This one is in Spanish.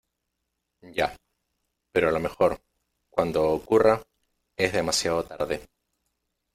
ya, pero a lo mejor , cuando ocurra , es demasiado tarde.